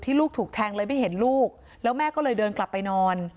ลูกถูกแทงเลยไม่เห็นลูกแล้วแม่ก็เลยเดินกลับไปนอน